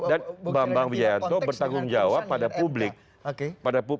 dan bambang wijayanto bertanggung jawab pada publik